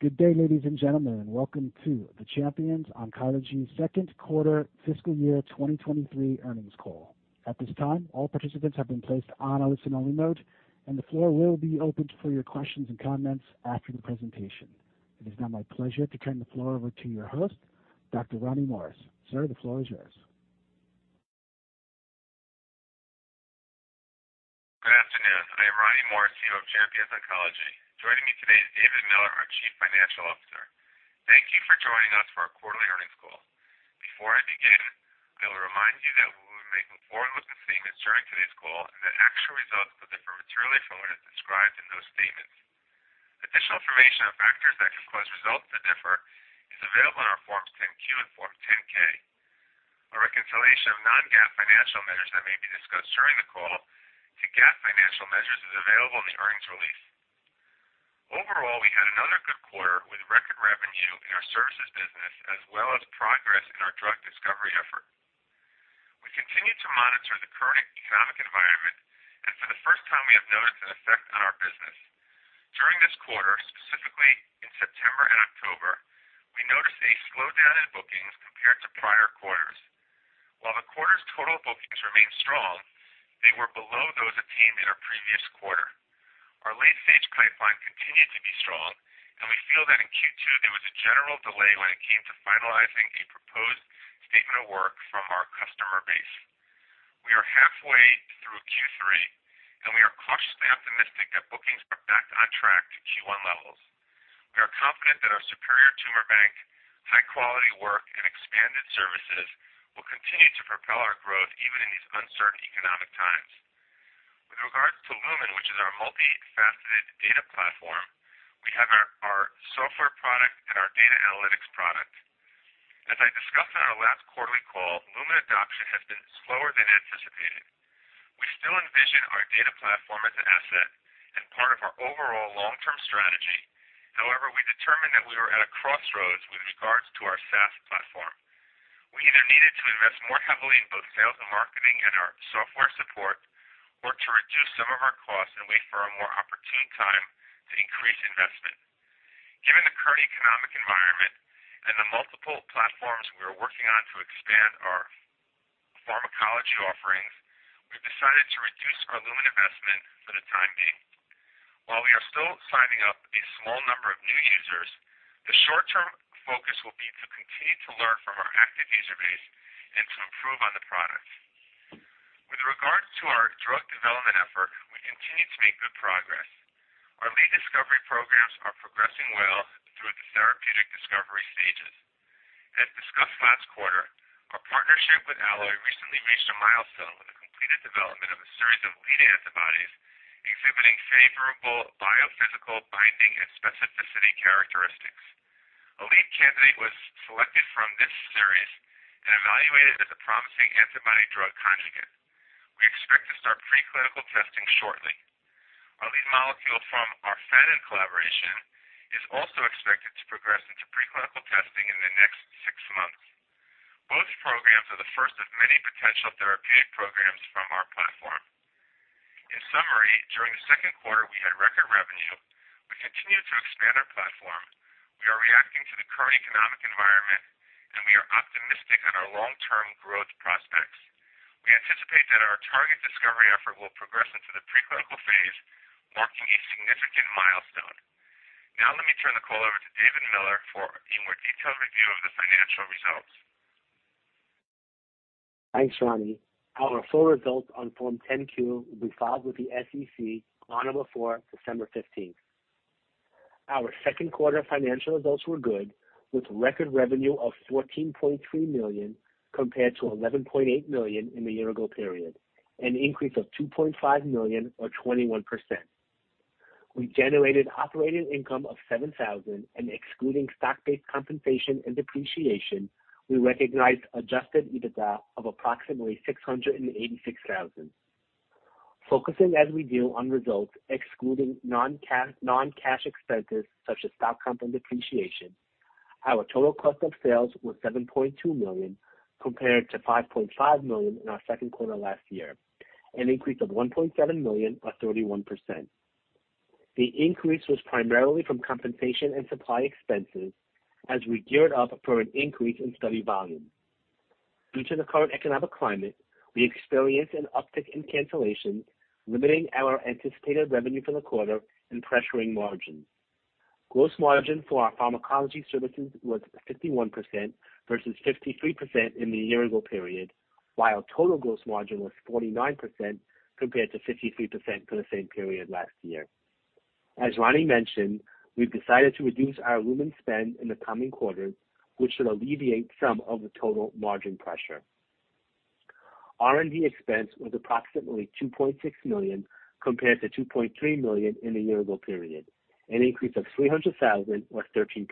Good day, ladies and gentlemen, welcome to the Champions Oncology's second quarter fiscal year 2023 earnings call. At this time, all participants have been placed on a listen-only mode, and the floor will be opened for your questions and comments after the presentation. It is now my pleasure to turn the floor over to your host, Dr. Ronnie Morris. Sir, the floor is yours. Good afternoon. I am Ronnie Morris, CEO of Champions Oncology. Joining me today is David Miller, our Chief Financial Officer. Thank you for joining us for our quarterly earnings call. Before I begin, I will remind you that we will make forward-looking statements during today's call and that actual results will differ materially from what is described in those statements. Additional information on factors that could cause results to differ is available in our Forms 10-Q and Form 10-K. A reconciliation of non-GAAP financial measures that may be discussed during the call to GAAP financial measures is available in the earnings release. Overall, we had another good quarter with record revenue in our services business as well as progress in our drug discovery effort. We continue to monitor the current economic environment, and for the first time, we have noticed an effect on our business. During this quarter, specifically in September and October, we noticed a slowdown in bookings compared to prior quarters. While the quarter's total bookings remained strong, they were below those attained in our previous quarter. Our late-stage pipeline continued to be strong. We feel that in Q2, there was a general delay when it came to finalizing a proposed statement of work from our customer base. We are halfway through Q3. We are cautiously optimistic that bookings are back on track to Q1 levels. We are confident that our superior tumor bank, high-quality work, and expanded services will continue to propel our growth even in these uncertain economic times. With regards to Lumin, which is our multi-faceted data platform, we have our software product and our data analytics product. As I discussed on our last quarterly call, Lumin adoption has been slower than anticipated. We still envision our data platform as an asset and part of our overall long-term strategy. We determined that we were at a crossroads with regards to our SaaS platform. We either needed to invest more heavily in both sales and marketing and our software support or to reduce some of our costs and wait for a more opportune time to increase investment. Given the current economic environment and the multiple platforms we are working on to expand our pharmacology offerings, we've decided to reduce our Lumin investment for the time being. We are still signing up a small number of new users, the short-term focus will be to continue to learn from our active user base and to improve on the product. With regards to our drug development effort, we continue to make good progress. Our lead discovery programs are progressing well through the therapeutic discovery stages. As discussed last quarter, our partnership with Alloy recently reached a milestone with the completed development of a series of lead antibodies exhibiting favorable biophysical binding and specificity characteristics. A lead candidate was selected from this series and evaluated as a promising antibody-drug conjugate. We expect to start preclinical testing shortly. Our lead molecule from our Fannin collaboration is also expected to progress into preclinical testing in the next 6 months. Both programs are the first of many potential therapeutic programs from our platform. In summary, during the second quarter, we had record revenue. We continue to expand our platform. We are reacting to the current economic environment, and we are optimistic on our long-term growth prospects. We anticipate that our target discovery effort will progress into the preclinical phase, marking a significant milestone. Let me turn the call over to David Miller for a more detailed review of the financial results. Thanks, Ronnie. Our full results on Form 10-Q will be filed with the SEC on or before December 15th. Our second quarter financial results were good, with record revenue of $14.3 million compared to $11.8 million in the year-ago period, an increase of $2.5 million or 21%. We generated operating income of $7,000. Excluding stock-based compensation and depreciation, we recognized adjusted EBITDA of approximately $686,000. Focusing as we do on results excluding non-cash expenses such as stock comp and depreciation, our total cost of sales was $7.2 million compared to $5.5 million in our second quarter last year, an increase of $1.7 million or 31%. The increase was primarily from compensation and supply expenses as we geared up for an increase in study volume. Due to the current economic climate, we experienced an uptick in cancellations, limiting our anticipated revenue for the quarter and pressuring margins. Gross margin for our pharmacology services was 51% versus 53% in the year-ago period, while total gross margin was 49% compared to 53% for the same period last year. As Ronnie mentioned, we've decided to reduce our Lumin spend in the coming quarters, which should alleviate some of the total margin pressure. R&D expense was approximately $2.6 million compared to $2.3 million in the year-ago period, an increase of $300,000 or 13%.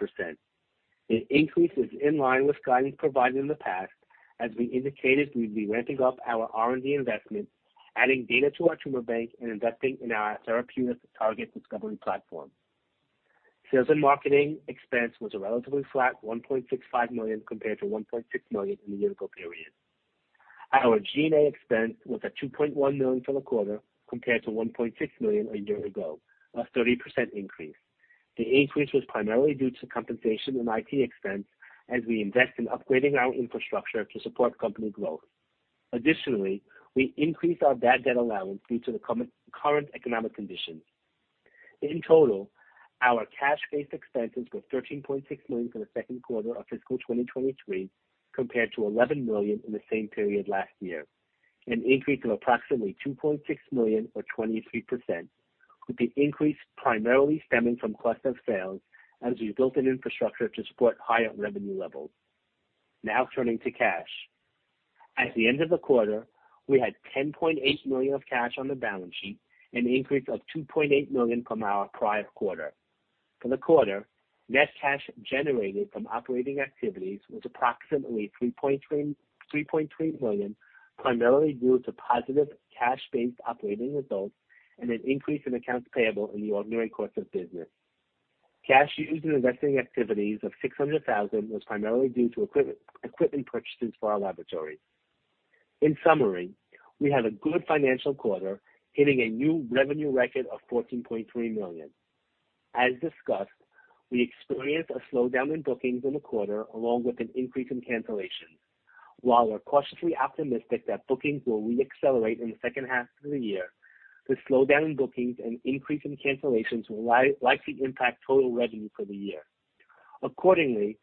The increase is in line with guidance provided in the past as we indicated we'd be ramping up our R&D investment, adding data to our tumor bank, and investing in our therapeutic target discovery platform. Sales and marketing expense was a relatively flat $1.65 million compared to $1.6 million in the year-ago period. Our G&A expense was at $2.1 million for the quarter compared to $1.6 million a year ago, a 30% increase. The increase was primarily due to compensation and IT expense as we invest in upgrading our infrastructure to support company growth. Additionally, we increased our bad debt allowance due to the current economic conditions. In total, our cash-based expenses were $13.6 million for the second quarter of fiscal 2023 compared to $11 million in the same period last year, an increase of approximately $2.6 million or 23%, with the increase primarily stemming from cost of sales as we built an infrastructure to support higher revenue levels. Turning to cash. At the end of the quarter, we had $10.8 million of cash on the balance sheet, an increase of $2.8 million from our prior quarter. For the quarter, net cash generated from operating activities was approximately $3.3 million, primarily due to positive cash-based operating results and an increase in accounts payable in the ordinary course of business. Cash used in investing activities of $600,000 was primarily due to equipment purchases for our laboratory. In summary, we had a good financial quarter, hitting a new revenue record of $14.3 million. As discussed, we experienced a slowdown in bookings in the quarter along with an increase in cancellations. While we're cautiously optimistic that bookings will re-accelerate in the second half of the year, the slowdown in bookings and increase in cancellations will likely impact total revenue for the year. Accordingly,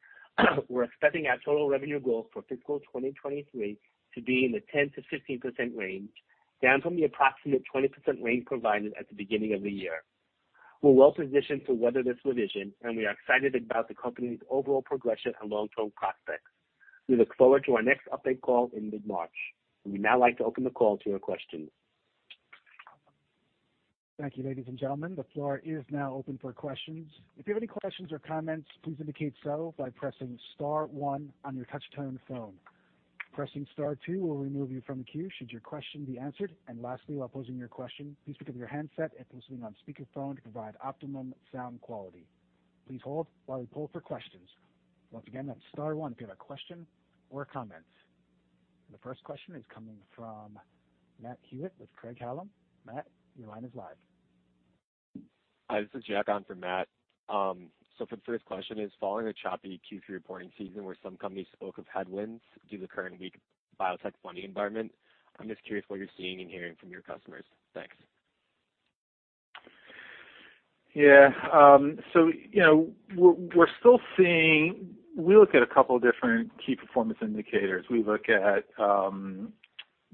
we're expecting our total revenue growth for fiscal 2023 to be in the 10%-15% range, down from the approximate 20% range provided at the beginning of the year. We're well positioned to weather this revision, and we are excited about the company's overall progression and long-term prospects. We look forward to our next update call in mid-March. We'd now like to open the call to your questions. Thank you, ladies and gentlemen. The floor is now open for questions. If you have any questions or comments, please indicate so by pressing star one on your touch-tone phone. Pressing star two will remove you from the queue should your question be answered. Lastly, while posing your question, please pick up your handset and place it on speakerphone to provide optimum sound quality. Please hold while we poll for questions. Once again, that's star one if you have a question or a comment. The first question is coming from Matt Hewitt with Craig-Hallum. Matt, your line is live. Hi, this is Jack on for Matt. For the first question is, following a choppy Q3 reporting season where some companies spoke of headwinds due to the current weak biotech funding environment, I'm just curious what you're seeing and hearing from your customers. Thanks. Yeah. You know, we're still seeing. We look at a couple of different key performance indicators. We look at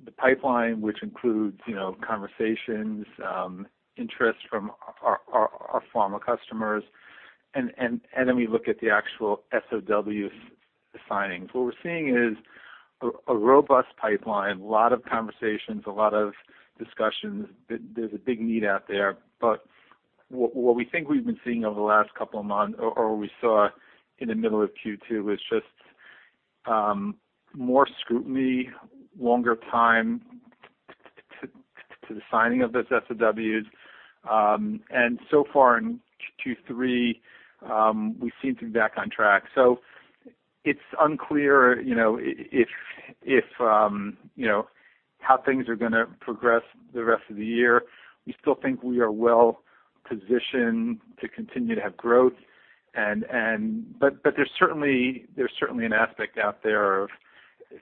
the pipeline, which includes, you know, conversations, interest from our pharma customers, and then we look at the actual SOW signings. What we're seeing is a robust pipeline, a lot of conversations, a lot of discussions. There's a big need out there. What we think we've been seeing over the last couple of months, or we saw in the middle of Q2, was just more scrutiny, longer time to the signing of those SOWs. So far in Q3, we seem to be back on track. It's unclear, you know, if, you know, how things are gonna progress the rest of the year. We still think we are well positioned to continue to have growth. There's certainly an aspect out there of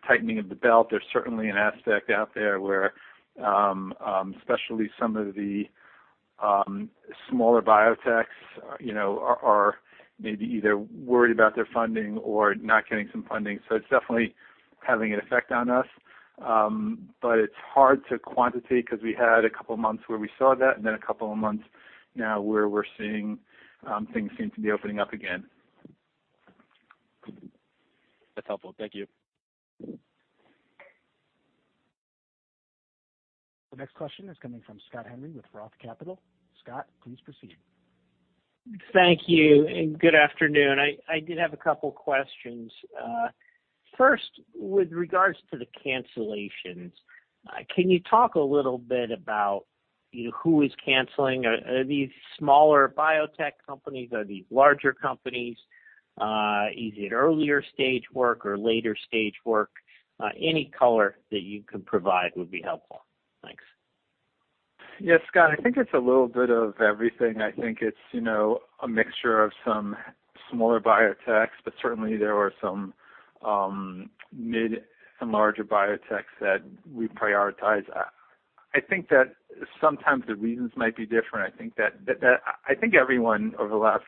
tightening of the belt. There's certainly an aspect out there where especially some of the smaller biotechs, you know, are maybe either worried about their funding or not getting some funding. It's definitely having an effect on us. It's hard to quantitate 'cause we had a couple of months where we saw that and then a couple of months now where we're seeing things seem to be opening up again. That's helpful. Thank you. The next question is coming from Scott Henry with ROTH Capital. Scott, please proceed. Thank you. Good afternoon. I did have a couple questions. First, with regards to the cancellations, can you talk a little bit about, you know, who is canceling? Are these smaller biotech companies? Are these larger companies? Is it earlier stage work or later stage work? Any color that you can provide would be helpful. Thanks. Yeah, Scott, I think it's a little bit of everything. I think it's, you know, a mixture of some smaller biotechs, but certainly there are some mid and larger biotechs that we prioritize. I think that sometimes the reasons might be different. I think everyone over the last,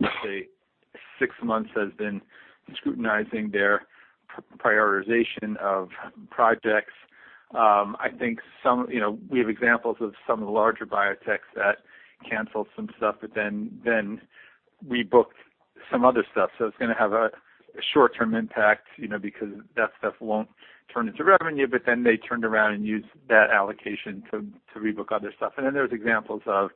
let's say, six months has been scrutinizing their prioritization of projects. I think some, you know, we have examples of some of the larger biotechs that canceled some stuff but then rebooked some other stuff. It's gonna have a short-term impact, you know, because that stuff won't turn into revenue, but then they turned around and used that allocation to rebook other stuff. There's examples of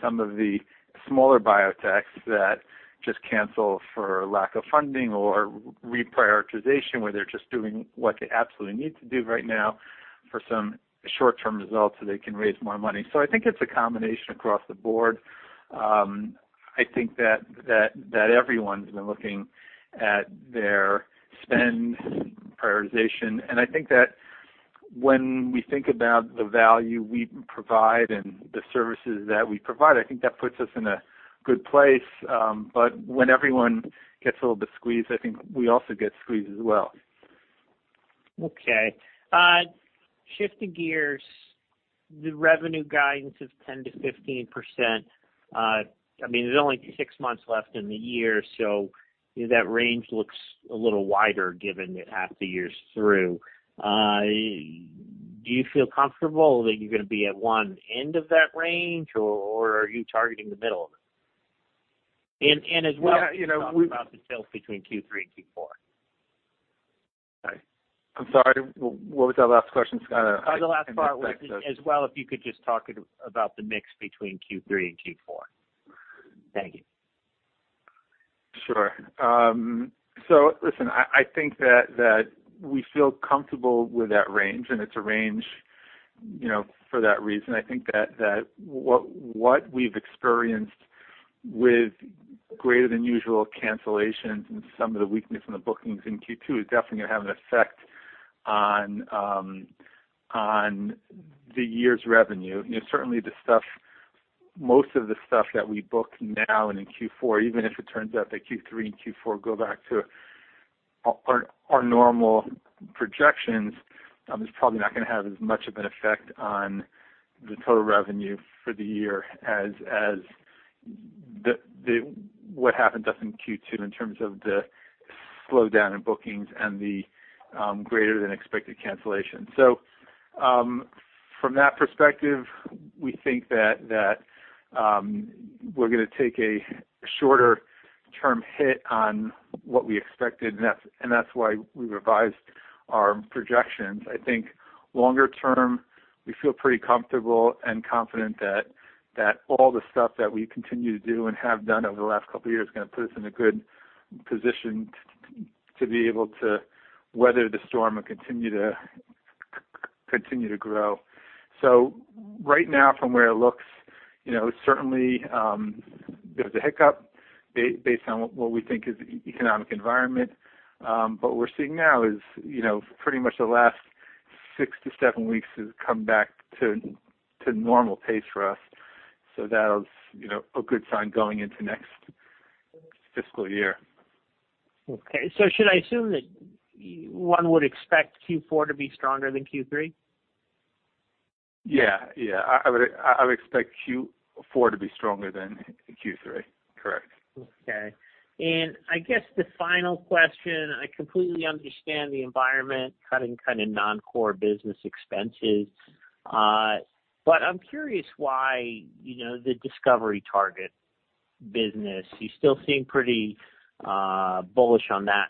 some of the smaller biotechs that just cancel for lack of funding or reprioritization, where they're just doing what they absolutely need to do right now. For some short-term results so they can raise more money. I think it's a combination across the board. I think that everyone's been looking at their spend prioritization. I think that when we think about the value we provide and the services that we provide, I think that puts us in a good place. When everyone gets a little bit squeezed, I think we also get squeezed as well. Okay. Shifting gears, the revenue guidance of 10%-15%. I mean, there's only six months left in the year, so that range looks a little wider given that half the year's through. Do you feel comfortable that you're gonna be at one end of that range, or are you targeting the middle of it? As well. Yeah. You know. Can you talk about the sales between Q3 and Q4? I'm sorry, what was that last question? I The last part was as well, if you could just talk about the mix between Q3 and Q4. Thank you. Sure. listen, I think that we feel comfortable with that range, and it's a range, you know, for that reason. I think that what we've experienced with greater than usual cancellations and some of the weakness in the bookings in Q2 is definitely gonna have an effect on the year's revenue. You know, certainly the stuff, most of the stuff that we book now and in Q4, even if it turns out that Q3 and Q4 go back to our normal projections, it's probably not gonna have as much of an effect on the total revenue for the year as the what happened to us in Q2 in terms of the slowdown in bookings and the greater than expected cancellations. From that perspective, we think that, we're gonna take a shorter-term hit on what we expected, and that's, and that's why we revised our projections. I think longer term, we feel pretty comfortable and confident that all the stuff that we continue to do and have done over the last couple of years is gonna put us in a good position to be able to weather the storm and continue to continue to grow. Right now from where it looks, you know, certainly, there's a hiccup based on what we think is economic environment. What we're seeing now is, you know, pretty much the last six to seven weeks has come back to normal pace for us. That was, you know, a good sign going into next fiscal year. Okay. Should I assume that one would expect Q4 to be stronger than Q3? Yeah. I would expect Q4 to be stronger than Q3. Correct. Okay. I guess the final question, I completely understand the environment, cutting kind of non-core business expenses. I'm curious why, you know, the discovery target business, you still seem pretty bullish on that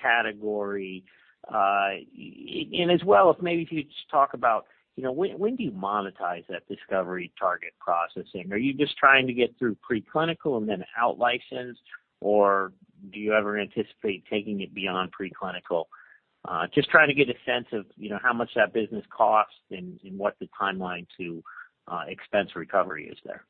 category. As well, if maybe if you could just talk about, you know, when do you monetize that discovery target processing? Are you just trying to get through preclinical and then outlicensed, or do you ever anticipate taking it beyond preclinical? Just trying to get a sense of, you know, how much that business costs and what the timeline to expense recovery is there.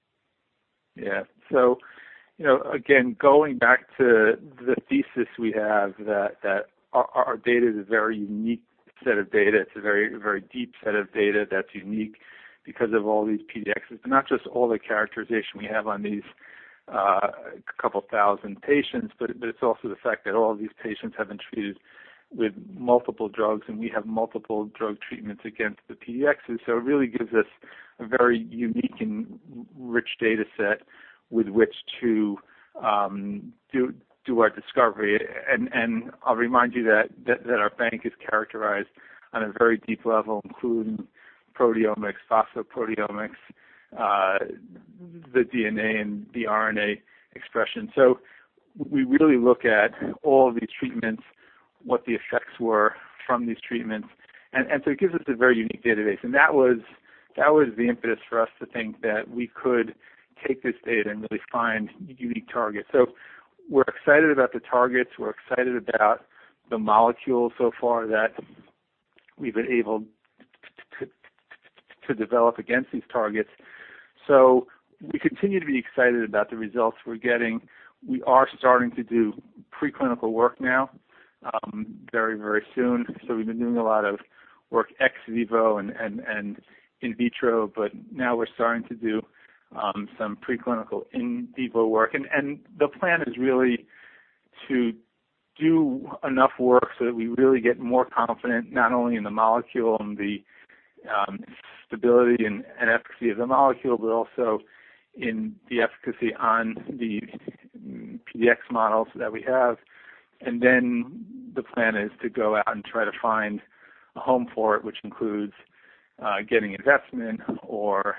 You know, again, going back to the thesis we have that our data is a very unique set of data. It's a very deep set of data that's unique because of all these PDXs. Not just all the characterization we have on these 2,000 patients, but it's also the fact that all these patients have been treated with multiple drugs, and we have multiple drug treatments against the PDXs. It really gives us a very unique and rich data set with which to do our discovery. I'll remind you that our bank is characterized on a very deep level, including proteomics, phosphoproteomics, the DNA and the RNA expression. We really look at all these treatments, what the effects were from these treatments, it gives us a very unique database. That was, that was the impetus for us to think that we could take this data and really find unique targets. We're excited about the targets. We're excited about the molecules so far that we've been able to develop against these targets. We continue to be excited about the results we're getting. We are starting to do preclinical work now, very, very soon. We've been doing a lot of work ex vivo and in vitro, but now we're starting to do some preclinical in vivo work. The plan is really to do enough work so that we really get more confident not only in the molecule and the stability and efficacy of the molecule, but also in the efficacy on the PDX models that we have. The plan is to go out and try to find a home for it, which includes getting investment or,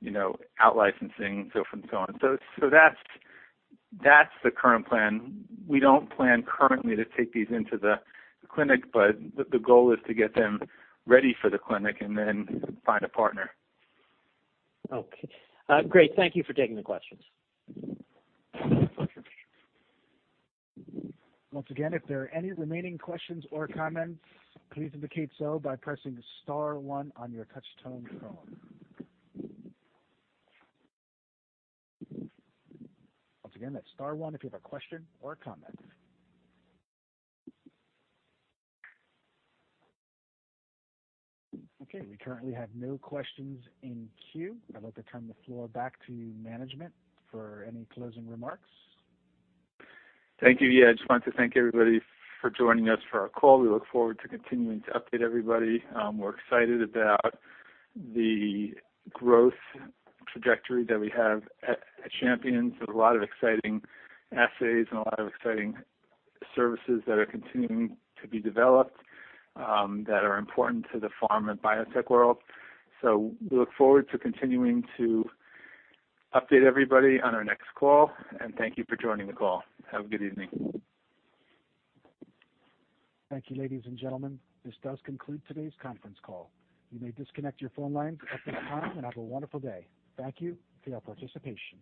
you know, out licensing, so forth and so on. So that's the current plan. We don't plan currently to take these into the clinic, but the goal is to get them ready for the clinic and then find a partner. Okay. Great. Thank you for taking the questions. My pleasure. Once again, if there are any remaining questions or comments, please indicate so by pressing star one on your touch tone phone. Once again, that's star one if you have a question or a comment. Okay, we currently have no questions in queue. I'd like to turn the floor back to management for any closing remarks. Thank you. Yeah, I just want to thank everybody for joining us for our call. We look forward to continuing to update everybody. We're excited about the growth trajectory that we have at Champions. There's a lot of exciting assays and a lot of exciting services that are continuing to be developed that are important to the pharma and biotech world. We look forward to continuing to update everybody on our next call, and thank you for joining the call. Have a good evening. Thank you, ladies and gentlemen. This does conclude today's conference call. You may disconnect your phone lines at this time and have a wonderful day. Thank you for your participation.